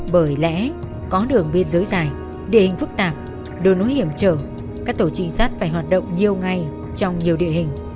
bởi lẽ có đường biên giới dài địa hình phức tạp đường núi hiểm trở các tổ trinh sát phải hoạt động nhiều ngày trong nhiều địa hình